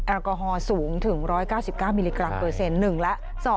แอลกอฮอลสูงถึง๑๙๙มิลลิกรัมเปอร์เซ็นต์๑และ